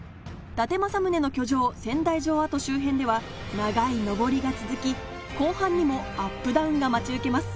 伊達政宗の居城・仙台城趾周辺では長いのぼりが続き、後半にもアップダウンが待ち受けます。